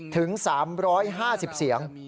ถึง๓๕๐เสียง